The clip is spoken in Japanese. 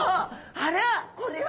あらこれは？